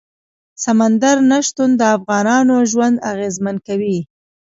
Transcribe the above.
سمندر نه شتون د افغانانو ژوند اغېزمن کوي.